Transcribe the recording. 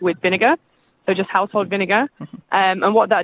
kita akan membunuh bintang laut